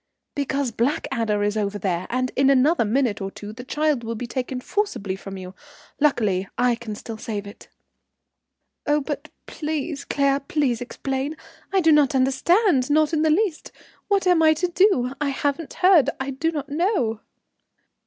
"Because Blackadder is over there, and in another minute or two the child will be taken forcibly from you. Luckily I can still save it." "Oh, but please, Claire, please explain. I do not understand, not in the least. What am I to do? I haven't heard, I do not know."